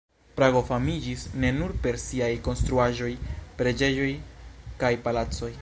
Prago famiĝis ne nur per siaj konstruaĵoj, preĝejoj kaj palacoj.